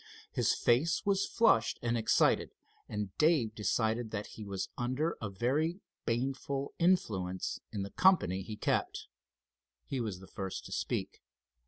His face was flushed and excited, and Dave decided that he was under a very baneful influence in the company he kept. He was the first to speak.